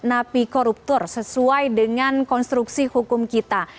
nabi koruptur sesuai dengan konstruksi hukum kita